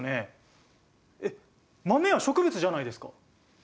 えっ豆は植物じゃないですか。